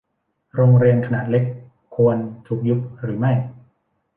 โรงเรียนขนาดเล็ก ควรถูกยุบหรือไม่